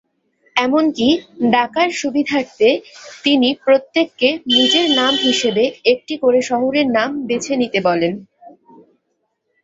এমনকি ডাকার সুবিধার্থে তিনি প্রত্যেককে নিজের নাম হিসেবে একটি করে শহরের নাম বেছে নিতে বলেন।